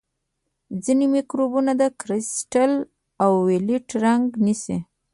ځینې مکروبونه د کرسټل وایولېټ رنګ نیسي.